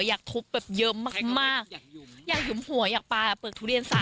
อยากทุบแบบเยอะมากมากอยากหยุมหัวอยากปลาเปลือกทุเรียนใส่